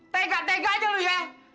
tengka tenka aja lu ya